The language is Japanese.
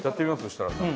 設楽さん